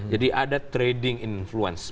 jadi ada trading influence